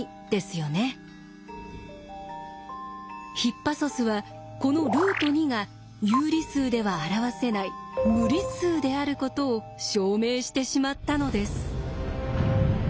ヒッパソスはこのルート２が有理数では表せない無理数であることを証明してしまったのです。